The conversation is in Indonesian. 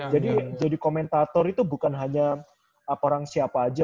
jadi jadi komentator itu bukan hanya orang siapa aja